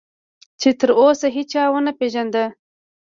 چې تراوسه هیچا ونه پېژانده.